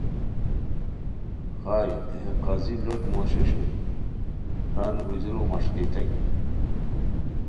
خائے تھے، ہے قاضی لوٹ موش اوشوئے، تان گجورو مݰکئیتائے